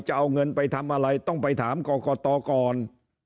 จะเอาเงินไปทำอะไรต้องไปถามกรกตก่อน